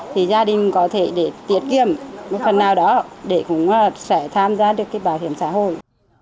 thì gia đình có thể để tiết kiệm một phần nào đó để cũng sẽ tham gia được cái bảo hiểm xã hội